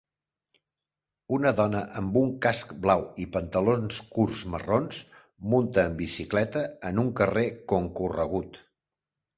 Una dona amb un casc blau i pantalons curts marrons munta en bicicleta en un carrer concorregut.